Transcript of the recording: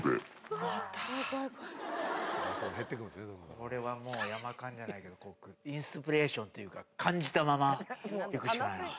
これはもう、山勘じゃないけど、インスピレーションというか、感じたままいくしかないな。